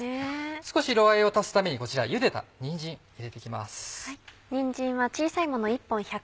少し色合いを足すためにこちらゆでたにんじん入れて行きます。